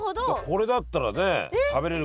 これだったらね食べれるから。